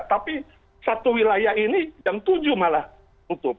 tapi satu wilayah ini jam tujuh malah tutup